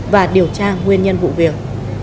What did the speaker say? và điều tra nguyên nhân vụ việc